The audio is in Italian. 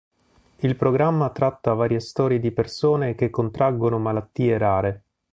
Il programma tratta varie storie di persone che contraggono malattie rare.